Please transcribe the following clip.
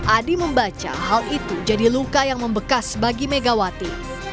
adi membaca hal itu jadi luka yang membekas bagi megawati